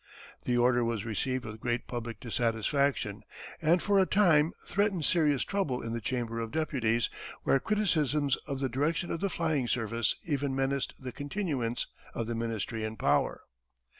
The order was received with great public dissatisfaction, and for a time threatened serious trouble in the Chamber of Deputies where criticisms of the direction of the flying service even menaced the continuance of the ministry in power.